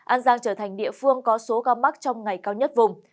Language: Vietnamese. an giang trở thành địa phương có số ca mắc trong ngày cao nhất vùng